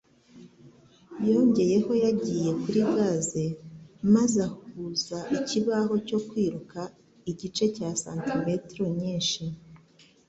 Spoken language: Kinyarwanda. Yongeyeho yagiye kuri gaze maze ahuza ikibaho cyo kwiruka igice cya santimetero nyinshi